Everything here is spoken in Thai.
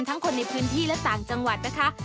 คนในพื้นที่และต่างจังหวัดนะคะ